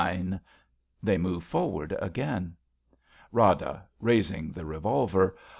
{They move forivard again.) Rada {raising the revolver).